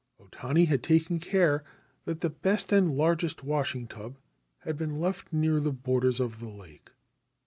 O Tani had taken care that the best and largest washing tub had been left near the borders of the lake.